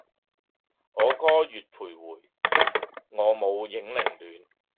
我歌月徘徊，我舞影零亂